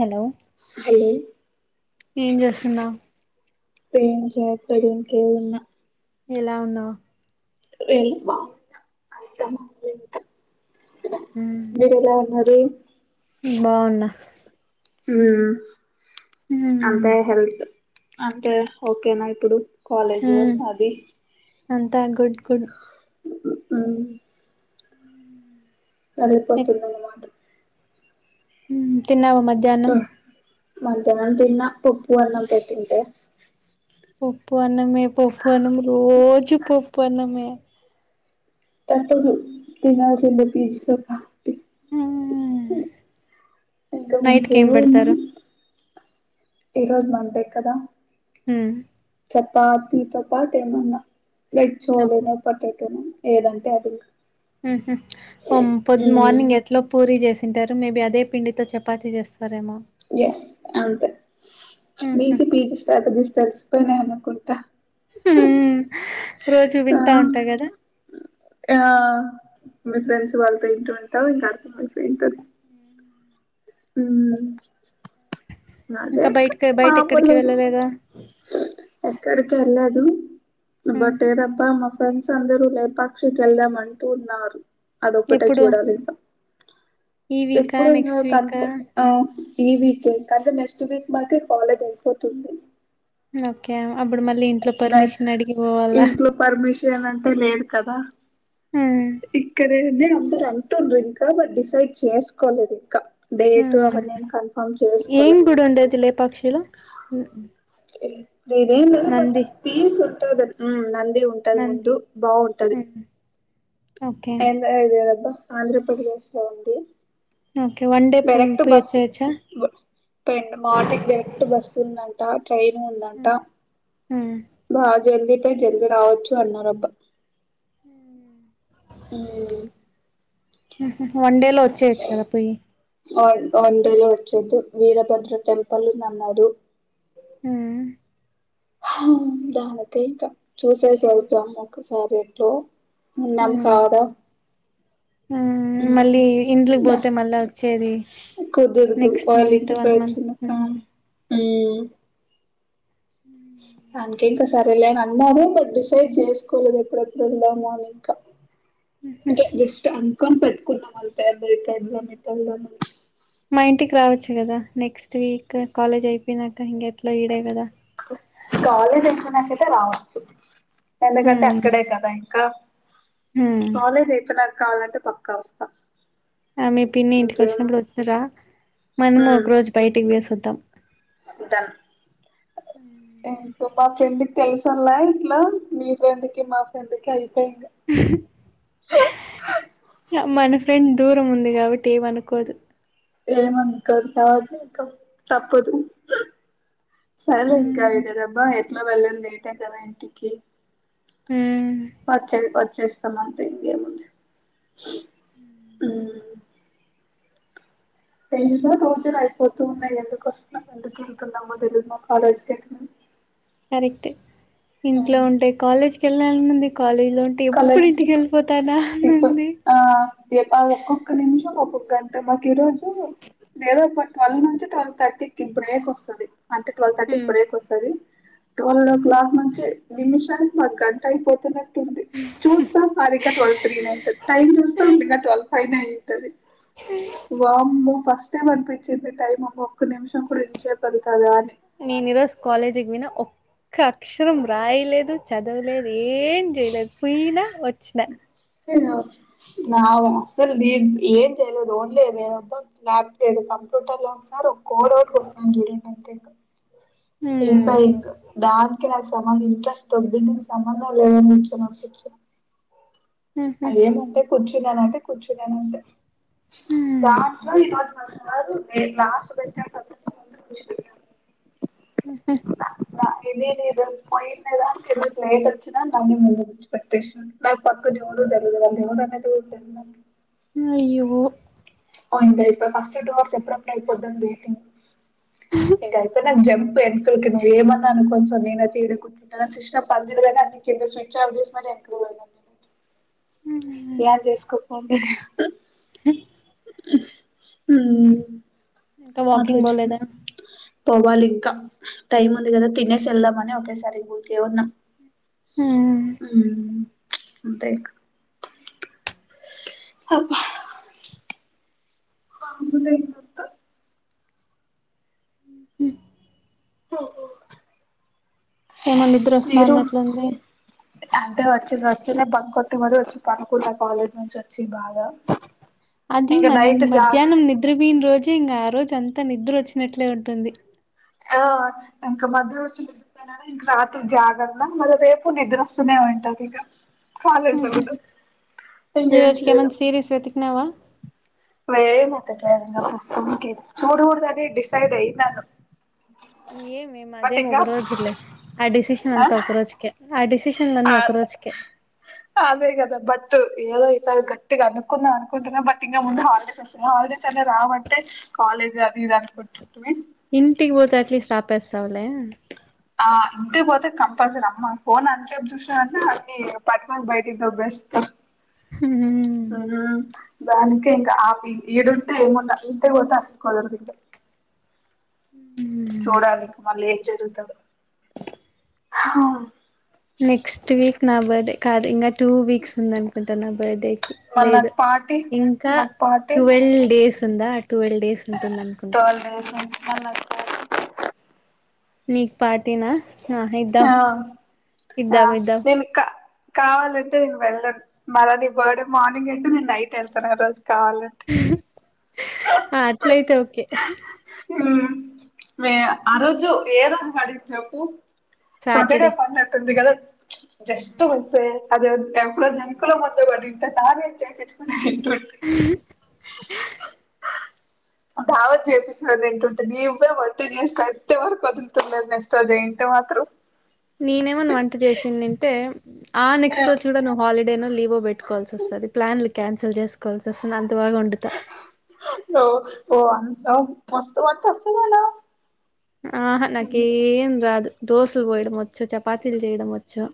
Hello hello ఏం జేస్తున్నావ్ ఏం చేత్తలే ఇంకేమి ఉన్నా ఎలా ఉన్నావ్ రెయిన్బో అంత మబ్బే మీరెల ఉన్నారు నేను బాగున్నా ఊమ్ ఉమ్ అంతే హెల్త్ అంతే ఓకేనా ఇప్పుడు కాలేజ్ లో అది అంతా గుడ్ గుడ్ ఆ గదెప్పటి తినదొ హుమ్ తిన్నావ మధ్యలో ఆ మధ్యాహ్నం తిన్న పుప్పు అన్నం పెట్టి ఉంటే పప్పు అన్నమే పప్పుఅన్నము రోజు పప్పన్నమే తప్పదు తినాల్సిందే పీజ్ తప్ప హూమ్ ఉమ్ ఇంకా మనకు ఎమెమి ఉన్నయి పెడతారు ఈ రోజు మండే కదా ఉమ్ చపాతి తోపాటు ఏమన్నా లైక్ చోలె ల పొటటోన ఏదంటే అది ఉహు అం పొద్ మ్మ్ మార్నింగ్ ఎ ఇంట్లో పూరీ చేసింటారు మేబీ అదే పిండితో చెపాతి చేస్తరెమో ఎస్ అంతే మీకి పీజీ స్ట్రాటజీస్ తెలిసిపోయినయనుకుంటా ఉమ్ రోజు ఆ వింటా ఉంటా కదా ఆ మీ ఫ్రెండ్స్ వాళ్ళు తింటుంటావ్ ఇంకా అర్థం అయిపోయి ఉంటది ఉమ్ ఇంకా బయటకి బయట ఎక్కడికి మామూలే ఇగ వెళ్ళలేదా ఎక్కడికి ఎల్లేదు బట్ ఏదబ్బా మా ఫ్రెండ్స్ అందరూ లేపాక్షి కెళ్దాం అంటూన్నారు అదొక్కటే ఎప్పుడు చూడాలింకా ఈ వీకా ఇప్పుడిగ నెక్స్ట్ వీకా కన్ఫర్మ్ ఆ ఈ వీకే కంటె నెక్స్ట్ వీక్ మాకే కాలేజ్ అయిపోతుంది ఓకే అప్పుడు మళ్ళీ ఇంట్లో డాష్ పర్మిషన్ అడిగి పోవాలా ఇంట్లో పర్మిషన్ అంటే లేదు కదా మ్ ఇక్కడేంది అందరు అంటుండ్రింక బట్ డిసైడ్ చేసుకోలేదింక డేటు అవన్నేమ్ కన్ఫర్మ్ చేసుకోలె ఇప్పుడుండేది లె పక్షిలో ఇ దేందో బట్ పీస్ ఉంటద ఉమ్ నంది ఉం టైముండి బాగుంటది ఒకే ఏంద ఆంధ్రప్రదేశ్ లో ఉంది ఓకే వన్ డే పు పొయ్యి వొచేయచ్చా పెన్ మాటకి డైరెక్ట్ బస్సు ఉందంట ట్రైన్ ఉందంట హ్మ్, హ్మ్, బా జల్దీ పోయ్ జల్దీ రావచ్చు అన్నారబ్బా మ్ వన్ డే లో వచ్చేయచ్చు కదా పోయి వ వన్ డేలో వచ్చేతే వీరభద్ర టెంపుల్ ఉంది అన్నారు ఉ దానికి ఇంకా చూసేసి వెళ్తాం ఒకసారి ఎట్లో ఉన్నాం కాదా మ్ మళ్ళీ దా ఇండ్లకిపోతే మళ్ళా వచ్చేది కుదురదు నెక్ట్స్ మంత్ వన్ మంత్ ఊ ఉ ఉ అందుకే ఇంకా సరేలే అని అన్నాము బట్ డిసైడ్ చేసుకోలేదు ఎప్పుడెప్పుడు ఎల్దాము అని ఇంకా ఉకే జస్ట్ అనుకొని పెట్టుకున్నాం అంతే అదేకడ్నో ఎటేల్దం అని మా ఇంటికి రావచ్చు కదా నెక్స్ట్ వీక్ కాలేజ్ అయిపోయి నాక ఇంక ఎట్లో ఈడే కదా కాలేజ్ అయిపోయినక అయితే రావచ్చు ఎందుకంటే హ్మ్. అక్కడే కదా ఇంకా హ్మ్ కాలేజ్ అయిపోయినాక కావాలంటే పక్కా వస్తా ఆ మీ పిన్ని ఇంటికి ఇంకేమి వచ్చినప్పుడు వద్దు రా మనము ఒక రోజు బయటకి పోయేసి వద్దాం డన్ ఇంకో పాప ఫ్రెండ్ కి తెలుసల్ల అలా ఇట్లా మీ ఫ్రెండ్ కి మా ఫ్రెండ్ కి అయిపోయి ఇంగా మన ఫ్రెండ్ దూరం ఉంది కాబట్టి ఏమనుకోదు ఏమనుకోదు పాపం అకో తప్పదు సరలేే ఇంకా హ్మ్ అదదబ్బా ఎట్లా వెళ్ళంది లేటే కదా ఇంటికి ఊ వచ్చే వచ్చేస్తున్న అంతే ఇంక ఏముంది మ్ ఏందుకో పోతురు అయిపోతూ ఉన్నాయి ఎందుకు వస్తున్నాం ఎందుకు వెళ్తున్నామో తెలీదు మా కాలేజీకి అయితే మేము కరెక్ట్ ఇంట్లో ఉంటే కాలేజ్కి వెళ్ళాలి ఉంది కాలేజ్ లో ఉంటే అ ఎప్పుడు ఇంటికి కాలేజ్ వెళ్ళిపోతానా అని ఇప్పు అంది ఆ ఇగ ఒక్కొక్క నిమిషం ఒక్కొక్క గంట మాకు ఈరోజు వేదోపు ట్వెల్వ్ నుంచి ట్వెల్వ్ థర్టీకిి బ్రేక్ వస్తది అంటే ట్వెల్వ్ థర్టీ బ్రేక్ వస్తది ట్వెల్వ్ ఓ క్లాక్ నుంచి నిమిషానికి మాకు గంట అయిపోతున్నట్టుంది చూస్తాం అది ఇగా ట్వెవ్ తీ నై ఉంటుది టైం చూస్తా ఉం ఇగా ట్వల్వ్ ఫైవ్ నే అయితది ఉ వమ్మో ఫస్ట్ టైమ్ అనిపించింది టైమ్ ఒక్క నిమిషం కూడా ఎంజ చేయగలుతుదా అని నేను ఈరోజు కాలేజికి వినా ఓ ఒక్క అక్షరం రాయలేదు చదవలేదు ఏం చేయలేదు పోయినా వచ్చినా అంతేనా నావ్ అస్సలు బి ఏం చెయలేదు ఓడ్లేదే లాబ్ లేదు కంప్యూటర్ లో ఒకసారి ఒక కోడ్ అట్ కొట్ చూడండి అంత ఇయిపా హ్మ్ ఇం దానికి నాకు సగం ఇంట్రెస్ట్ దొబ్బింది సంబంధం లేదనిసిచ్చ [unintelligible] హుహు అమంటే కూర్చున్నాన అంటే కూర్చున్నాన అంటే హ్మ్ దాంట్లో ఈరోజు మా సారు లాస్ట్ [unintelligible] ఉహు [unintelligible] నైట్ వచ్చనా ఎక్ెషన్ [unintelligible] పెట్టిసినా నా పక్కన ఎవడు జరగలేదు అనేది [unintelligible] అయ్యో అవుం ఇ ఫస్ట్ టూ అవర్స్ ఎప్పుడప్పుడు అయిపోతుద్దం వెయిటింగ్ ఇంక అయిపోనా జంప్ ఎకకి మీరేమన్నా అనుకోండి సార్ నేనైతే ఈడికి ఈడ సిస్టప్ పని చేయదని [unintelligible] అ స్విచ్ ఆఫ్ చేసి మరీ వెనీకి బోయిన యాన్ చేసుకోపోండి ఉమ్ ఇంకా నాకు వాకింగ్ తెల్సు పోలేదా పోవాలింకా టైం ఉంది కదా తినేసి ఎళ్దామని ఒకేసారి ఇ ఉరికే ఉన్నం హ్మ్ ఉమ్ అంతే ఇంకా అబ్బ మామూలే ఇదంతా ఓహో ఏమో నిద్రస్తాన్నట్లుంది అంటే వచ్చిడ్ వచ్చిన్నే బంకొట్టి మరి వచ్చి పనుకున్న కాలేజ్ నుంచి వచ్చి బాగా అది ఇంకా మల్ నైట్ జాగ్ మధ్యాహ్నం నిద్ర పీయన రోజే ఇంకగా ఆ రోజుంతా నిద్ర వొచ్చినట్లే ఉంటుంది ఆ ఇంక మధ్యలచ్చి రాత్రి జాగర్త మరి రేపు నిద్ర అస్తూనే ఉంటదిగా కాలేజ్ ఆహా లాగుడా ఈ రోజుకేమన్న సీరీస్ వెతికినవా లేదు అంత టైం ప్రస్తుతానికి చూడుకూడుదనే డిసైడ్ అయ్యినాను ఏ మేం అదే మొగరోజిల్లే ఆ డిసిషన్ అంతా ఒక్కరోజుకే ఆ డిసిషన్లన్నీ ఆ ఒక్క రోజుకే అదే కదా బట్టి ఏదో ఈసారి గట్టిగా అనుకున్నా అనుకుంటున్నా బట్ ఇంకా ముందు హాలిడేస్ హాలిడేస్ అన్న రావట్టే కాలేజ్ అది ఇది అనుకుంటుంటుని ఇంటికి పోతే ఎట్లీస్ట్ ఆపేస్తావులే ఆ ఇంటికిపోతే కంపల్సరీ అమ్మ ఫోన్ అంత చెప్పి చూసాంటే అన్ని పట్టుకోని బయటకు దొబ్బేస్తది హుమ్ ఉమ్ దానికే ఇంకా ఆఫి ఇడుంటే ఏమన్నా ఇంతే కొతే అసలు దాసుకోవాలి అనిపితది చూడాలి మళ్ళ ఏం జరుగుతదో హా నెక్స్ట్ వీక్ నా బర్డే కాదు ఇంగ టూ వీక్స్ ఉందనుకుంటా నా బిర్డే కి మళ్ళీ లేదు నాకు పార్టీ ఇంకా నాకు పార్టీ టువెల్వ్ డేస్ ఉందా టువెల్ డేస్ ఉంటుంది అనుకుంటా టువెల్ డేస్ అంటే ఎట్లా మల్ల నీకు పాటీనా ఆ ఆ ఇద్దాం వెనుకా కావాలంటే నే వెళ్ళను మళ్ళ నీ బర్త్డే మార్నింగ్ అయితే నేను నైట్ వెళ్తాను ఆ రోజు కావాలే ఆ అట్లయితే ఓకే ఉ మే ఆ రోజు ఏర అడి చెప్పు సాటర్డే పడినట్టుంది గద జస్ట్ మిస్స్ అదే ఇప్పుడు జంకుల ముందు పడుంటే దాన్ని చేయించుకునే తింటుంటీ ఉ దావత్ చేపి అదేంటంటే నవ్వే వర్టిన్యూస్ కట్టే వరకు వదులుతలేదు నెక్స్ట్ అదేంటో అత్రో నీనేమొన్న వంట చేసిందింటే ఆ నెక్స్ట్ రోజు కూడా హాలిడేనే లీవే పెట్టుకోవాల్సి వస్తది ప్లాన్లు క్యాన్సిల్ చేసుకోవాల్సి వస్తుంది అంత బాగా వండుతా ఓ వావ్ మస్తు వంట వస్తది లే ఆహా నాకేం రాదు దోస పోయాడం వచ్చు చపాతీలు చేయడం వచ్చు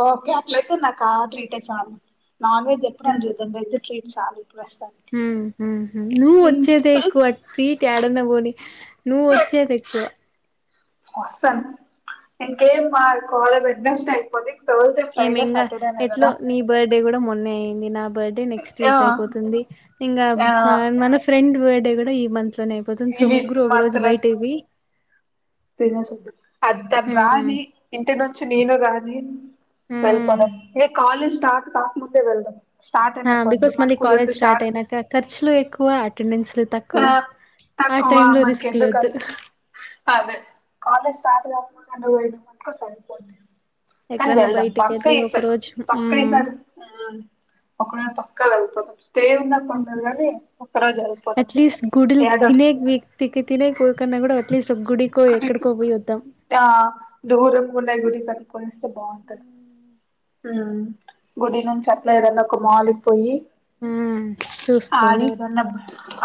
ఓకే అట్ల అయితే నాకు ఆర్డర్ ఇట్టే చాలు నాన్ వెజ్ ఎప్పుడని చూద్ధాం వెజ్ మీకు శాలరీ ఎప్పుడూ వస్తది ఉ హు నువ్వు వచ్చేదే ఎక్కువ అంటే ట్రీ ఏడన్నా పోనీ నువ్వు వచ్చేదె ఎక్కువ అస్తం ఇంకేం మా కాలేజ్ ఎడ్సమ్స్ అయిపోతయ్ రోజు ఏమి ఫ్రైడే ఇంగా సాటర్డే ఎట్లో అనేకదా నీ బర్త్డే కూడా మొన్నే అయింది నా బర్త్డే నెక్స్ట్ ఆ వీక్ అయిపోతుంది ఇంగా ఆ మన ఫ్రెండ్ బర్డే కూడా ఈ మంత్ లోనే అయిపోతుంది సో ఇవి ముగ్గురు ఒక రోజు బయటకు పోయి తినేసే పోదాం అందరూ హ్మ్ రాని ఇంటి నుంచి నేను రాని హ్మ్ వెళ్ళిపోదాం ఏ కాలేజీ స్టార్ట్ కాకముందే వెళ్దాం స్టార్ట్ అయినాక వద్దు బికాస్ మన మళ్ళీ కాలేజ్ కుదిరితే స్టార్ట్ అయినాక ఖర్చులు ఎక్కువ అటెండెన్స్లు తక్కువ ఆ ఆ తక్కువ టైమ్ లో మనకి రిస్క్ లు ఒద్దు ఎందుకని అదే కాలేజ్ స్టార్ట్ కాకముందె పోయినమనుకో సరిపోతదీ కానీ ఎక్కడన్నా వెళ్దాం బయటికి పక్క వెళ్ళి ఈ ఒక సారు రోజు పక్క ఈ హ్మ్ సారీ ఒక్కడ పక్క వెళ్పోతాం స్టే ఉనా కానీ ఒక్క రోజు వెళ్ళిపోదాం అట ఏడోరు తిగి తినకపో కన్నా కూడా అట్లీస్ట్ ఒక గుడికో ఎక్కడికో గుడికి పోయి వద్దాం ఆ దూరం కూడాం గుడి కి కట్టుకొనిస్తే బాగుంటది ఉ గుడి నుంచి అట్ల ఏదన్నా మాలికిపోయి హ్మ్ చూసుకొని ఆడేదన్న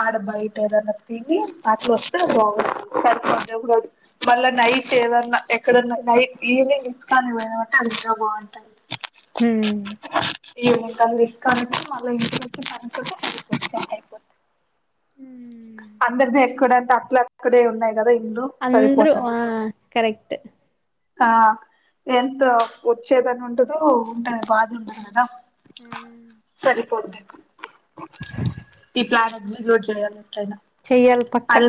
ఆడ బయట ఏదన్న తిని అట్లా వస్తే బాగుండు సరిపోదు మ మళ్ళా నైట్ ఏదన్నా ఎక్కడన్నా నైట్ ఈవినింగ్ మిస్ కాని. పోయిన మంటే అందింక బాగుంటది ఉ తను ఇస్తానంటే ఇంకొకటి సరిపోతది అందరిది ఎక్కడంటే అట్లా అక్కడే ఉన్నాయి కదా ఇల్లు అందరూ ఆ కరెక్ట్ ఆ ఎంతో ఉచ్చేదన ఉండదు ఉంటది బాధ ఉండదు కదా సరిపోంది ఇప్పు క్యారెట్జి రోడ్లు ఏయ్యాలి ఎటైనా చెయ్యాలి పక్క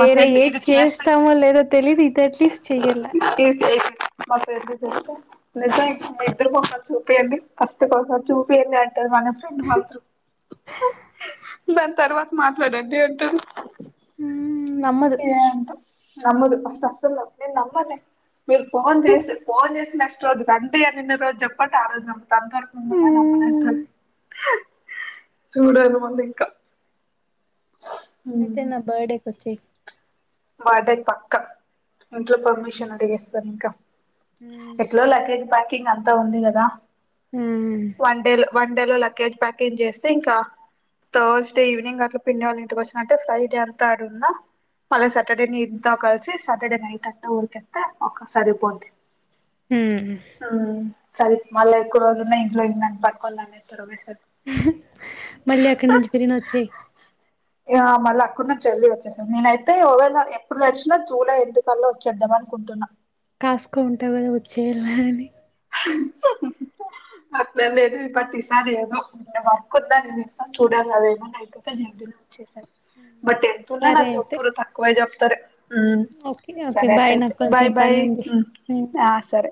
మా ఫ్రెండ్ ఏది ఇది చేస్తే చేస్తామో లేదో తెలియదు ఇది అట్లీస్ట్ చెయ్యాల [unintelligible] మా ఫ్రెండ్స్ కి చెప్తే నిజం మా ఇద్దరికి ఒకసారి చూపియండి ఫస్ట్ కోసం చూపియండి అం అంటాది మా ఫ్రెండ్ మాత్రం దాని తర్వాత మాట్లాడండి అంటుంది నమ్మద్ ఏంటో నమ్మదు అస్సలస్సలు నమ్మదు నేను నమ్మనే మీరు ఫోన్ చేసి ఫోన్ చేసి నెక్స్ట్ రోజు రండి అని నిన్న రోజు చెప్పట ఆ రోజే నమ్ తందొరకుంటద నమ్మ నాటు చూడాలి ముందింకా అయితే నా బర్డేకి ఒచ్చాయ్ బర్డేకి పక్కా ఇంట్లో పర్మిషన్ అడిగేస్తాను ఇంకా ఎట్లో లగేజ్ ప్యాకింగ్ అంతా ఉంది కదా వన్ డే లో లకేజ్ ప్యాకింగ్ చేస్తే ఇంకా థర్స్డే ఈవినింగ్ అట్లా పిన్ని వాళ్ళ ఇంటికి వచ్చిన అంటే ఫ్రైడే అంతా ఆడ ఉన్న మళ్ళీ సాటర్డే ని ఇంత కలిసి సాటర్డే నైట్ అంతా ఊరికెత్తే ఒక సరిపోదీ హు సరే మల్ల ఎక్కువ రోజులున్నా ఇంట్లో ఇంక నన్ను పట్టుకొని లాగేస్తారు ఒకేసారి మళ్ళీ అక్కడి నుంచి పినినోచేయ్ ఇగా ఆ మళ్ళ అక్కడ నుంచి వెళ్ళి వచ్చేసా నేనయి తే ఓవేళ ఎప్పుడు నడిచ్చినా జూలై ఎండ్ కళ్ల వచ్చేద్దాం అనుకుంటున్నా కాసుకో ఉంటావు కదా వచ్చేఏల్లని అట్లేం లేదు ఈ ప్రతిసారీ ఏదో వక్కుందానీ నేను ఇంట్లో చూడాలను అదేమో బట్ ఎంతున్నా సరే నాకు అయితే డబ్బులు తక్కువే చెప్తారు ఊ ఓకే ఓకే సరే బాయ్ అట్లైతే నాకు కొంచెం బాయ్ బై పని ఉంది ఆ సరే